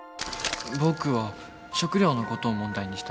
僕は食糧のことを問題にした。